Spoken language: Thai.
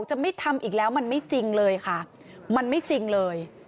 จะไม่ทำอีกแล้วมันไม่จริงเลยค่ะมันไม่จริงเลย